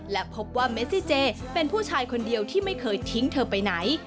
และพบว่าเมซิเจเป็นผู้ชายคนเดียวที่ไม่เคยทิ้งเธอไปไหน